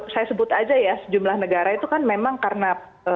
saya sebut aja ya sejumlah negara itu kan memang karena